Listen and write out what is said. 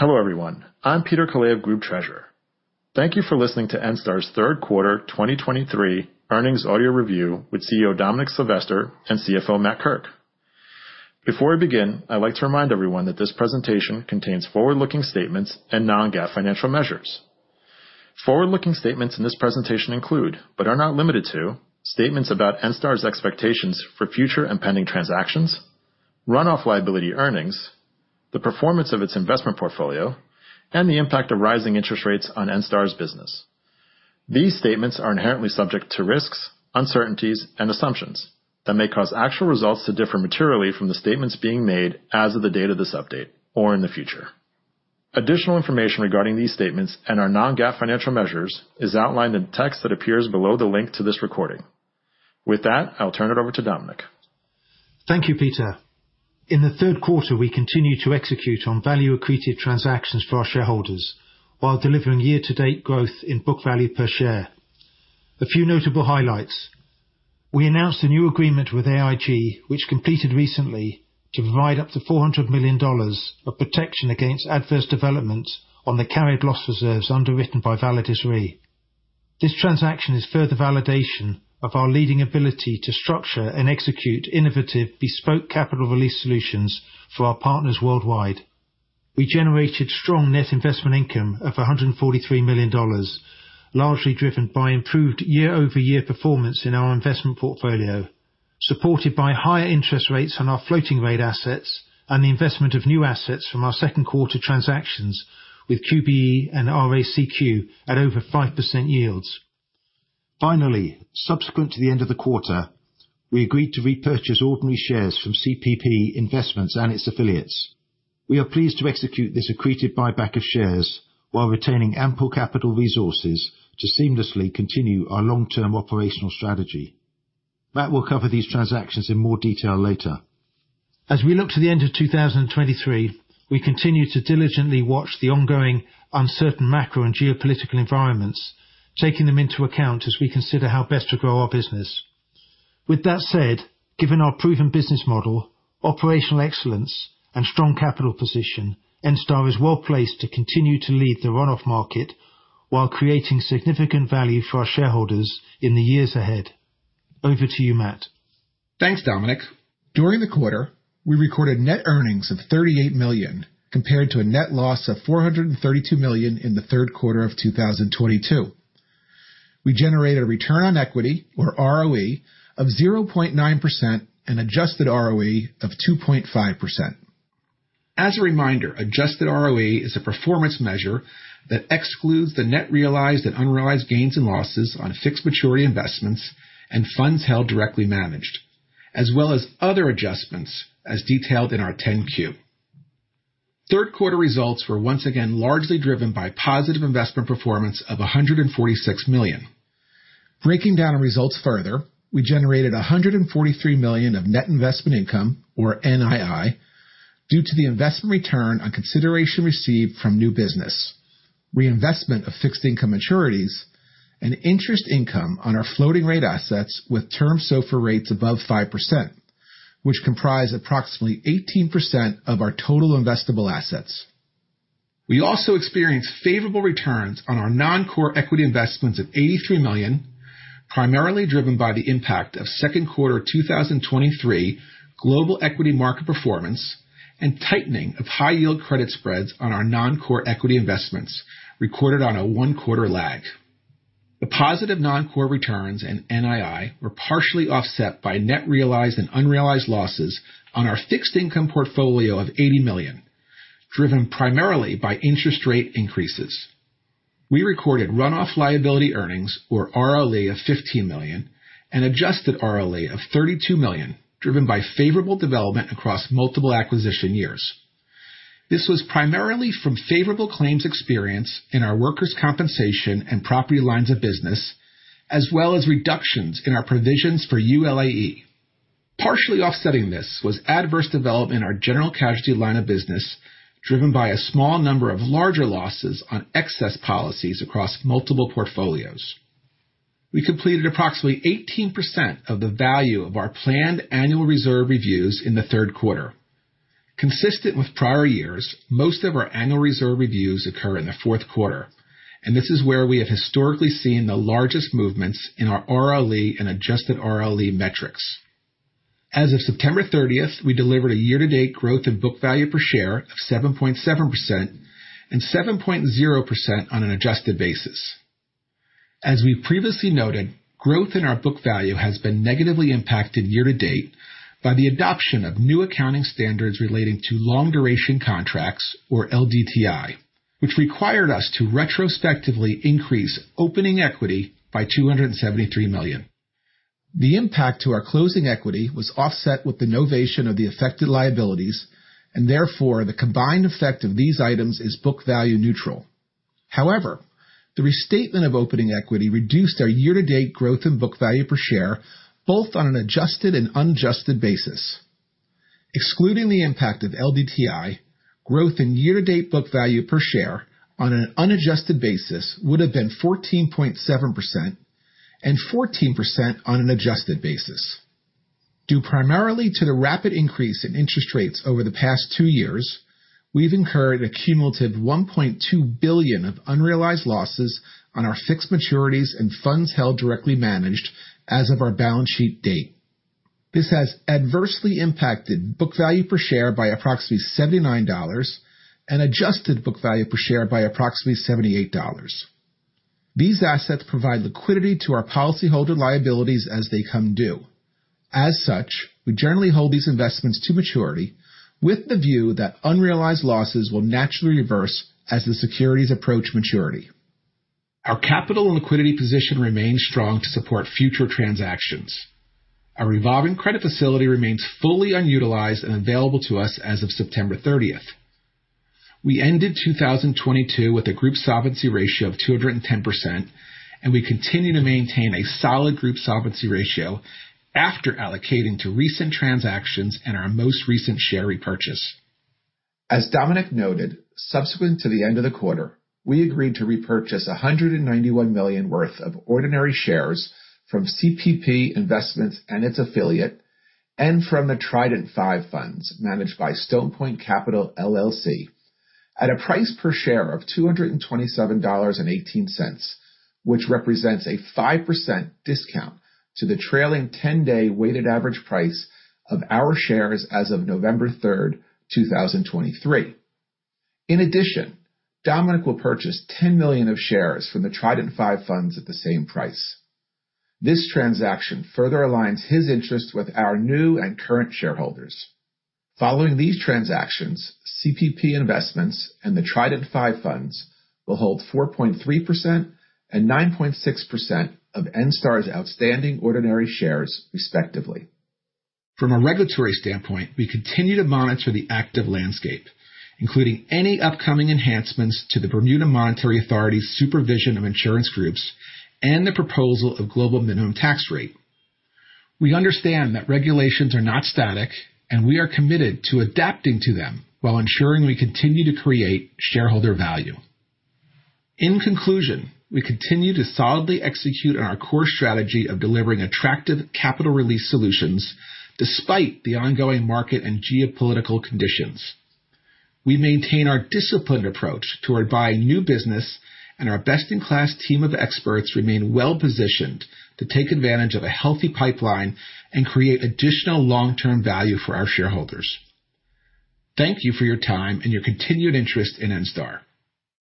Hello, everyone. I'm Peter Kalaev, Group Treasurer. Thank you for listening to Enstar's third quarter 2023 earnings audio review with CEO Dominic Silvester and CFO Matt Kirk. Before we begin, I'd like to remind everyone that this presentation contains forward-looking statements and non-GAAP financial measures. Forward-looking statements in this presentation include, but are not limited to, statements about Enstar's expectations for future and pending transactions, run-off liability earnings, the performance of its investment portfolio, and the impact of rising interest rates on Enstar's business. These statements are inherently subject to risks, uncertainties, and assumptions that may cause actual results to differ materially from the statements being made as of the date of this update or in the future. Additional information regarding these statements and our non-GAAP financial measures is outlined in text that appears below the link to this recording. With that, I'll turn it over to Dominic. Thank you, Peter. In the third quarter, we continued to execute on value-accretive transactions for our shareholders while delivering year-to-date growth in book value per share. A few notable highlights. We announced a new agreement with AIG, which completed recently to provide up to $400 million of protection against adverse developments on the carried loss reserves underwritten by Validus Re. This transaction is further validation of our leading ability to structure and execute innovative, bespoke capital release solutions for our partners worldwide. We generated strong net investment income of $143 million, largely driven by improved year-over-year performance in our investment portfolio, supported by higher interest rates on our floating rate assets and the investment of new assets from our second quarter transactions with QBE and RACQ at over 5% yields. Finally, subsequent to the end of the quarter, we agreed to repurchase ordinary shares from CPP Investments and its affiliates. We are pleased to execute this accretive buyback of shares while retaining ample capital resources to seamlessly continue our long-term operational strategy. Matt will cover these transactions in more detail later. As we look to the end of 2023, we continue to diligently watch the ongoing uncertain macro and geopolitical environments, taking them into account as we consider how best to grow our business. With that said, given our proven business model, operational excellence, and strong capital position, Enstar is well-placed to continue to lead the run-off market while creating significant value for our shareholders in the years ahead. Over to you, Matt. Thanks, Dominic. During the quarter, we recorded net earnings of $38 million, compared to a net loss of $432 million in the third quarter of 2022. We generated a return on equity, or ROE, of 0.9% and adjusted ROE of 2.5%. As a reminder, adjusted ROE is a performance measure that excludes the net realized and unrealized gains and losses on fixed maturity investments and funds held directly managed, as well as other adjustments as detailed in our 10-Q. Third quarter results were once again largely driven by positive investment performance of $146 million. Breaking down results further, we generated $143 million of net investment income, or NII, due to the investment return on consideration received from new business, reinvestment of fixed income maturities, and interest income on our floating rate assets with term SOFR rates above 5%, which comprise approximately 18% of our total investable assets. We also experienced favorable returns on our non-core equity investments of $83 million, primarily driven by the impact of second quarter 2023 global equity market performance and tightening of high yield credit spreads on our non-core equity investments recorded on a one-quarter lag. The positive non-core returns and NII were partially offset by net realized and unrealized losses on our fixed income portfolio of $80 million, driven primarily by interest rate increases. We recorded run-off liability earnings, or RLE, of $15 million and adjusted RLE of $32 million, driven by favorable development across multiple acquisition years. This was primarily from favorable claims experience in our workers' compensation and property lines of business, as well as reductions in our provisions for ULAE. Partially offsetting this was adverse development in our general casualty line of business, driven by a small number of larger losses on excess policies across multiple portfolios. We completed approximately 18% of the value of our planned annual reserve reviews in the third quarter. Consistent with prior years, most of our annual reserve reviews occur in the fourth quarter, and this is where we have historically seen the largest movements in our RLE and adjusted RLE metrics. As of September 30th, we delivered a year-to-date growth in book value per share of 7.7% and 7.0% on an adjusted basis. As we previously noted, growth in our book value has been negatively impacted year-to-date by the adoption of new accounting standards relating to long duration contracts, or LDTI, which required us to retrospectively increase opening equity by $273 million. The impact to our closing equity was offset with the novation of the affected liabilities, and therefore, the combined effect of these items is book value neutral. However, the restatement of opening equity reduced our year-to-date growth in book value per share, both on an adjusted and unadjusted basis. Excluding the impact of LDTI, growth in year-to-date book value per share on an unadjusted basis would have been 14.7% and 14% on an adjusted basis. Due primarily to the rapid increase in interest rates over the past two years, we've incurred a cumulative $1.2 billion of unrealized losses on our fixed maturities and funds held directly managed as of our balance sheet date. This has adversely impacted book value per share by approximately $79 and adjusted book value per share by approximately $78. These assets provide liquidity to our policyholder liabilities as they come due. As such, we generally hold these investments to maturity with the view that unrealized losses will naturally reverse as the securities approach maturity. Our capital and liquidity position remains strong to support future transactions. Our revolving credit facility remains fully unutilized and available to us as of September 30. We ended 2022 with a group solvency ratio of 210%, and we continue to maintain a solid group solvency ratio after allocating to recent transactions and our most recent share repurchase. As Dominic noted, subsequent to the end of the quarter, we agreed to repurchase $191 million worth of ordinary shares from CPP Investments and its affiliate, and from the Trident V Funds managed by Stone Point Capital LLC, at a price per share of $227.18, which represents a 5% discount to the trailing 10-day weighted average price of our shares as of November 3, 2023. In addition, Dominic will purchase 10 million of shares from the Trident V Funds at the same price. This transaction further aligns his interests with our new and current shareholders. Following these transactions, CPP Investments and the Trident V funds will hold 4.3% and 9.6% of Enstar's outstanding ordinary shares, respectively. From a regulatory standpoint, we continue to monitor the active landscape, including any upcoming enhancements to the Bermuda Monetary Authority's supervision of insurance groups and the proposal of global minimum tax rate. We understand that regulations are not static, and we are committed to adapting to them while ensuring we continue to create shareholder value. In conclusion, we continue to solidly execute on our core strategy of delivering attractive capital release solutions despite the ongoing market and geopolitical conditions. We maintain our disciplined approach to acquiring new business, and our best-in-class team of experts remain well-positioned to take advantage of a healthy pipeline and create additional long-term value for our shareholders. Thank you for your time and your continued interest in Enstar.